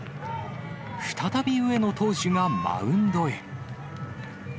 再び上野投手がマウンドへ。